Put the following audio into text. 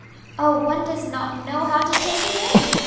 Oh, one does not know how to take it in!